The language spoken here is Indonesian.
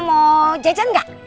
mau jajan gak